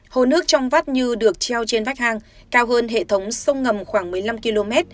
hồ nước trong vắt như được treo trên vách hang cao hơn hệ thống sông ngầm khoảng một mươi năm km